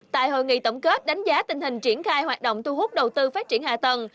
tại hội nghị tổng kết đánh giá tình hình triển khai hoạt động thu hút đầu tư phát triển hạ tầng